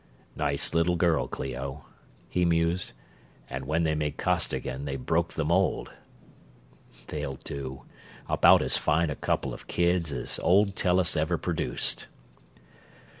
"Nice little girl, Clio," he mused, "and when they made Costigan they broke the mould. They'll do about as fine a couple of kids as old Tellus ever produced.